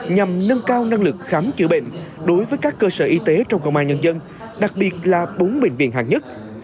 nhằm nâng cao năng lực khám chữa bệnh đối với các cơ sở y tế trong công an nhân dân đặc biệt là bốn bệnh viện hạng nhất